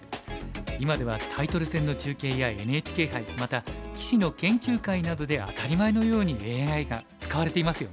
今ではタイトル戦の中継やＮＨＫ杯また棋士の研究会などで当たり前のようにＡＩが使われていますよね。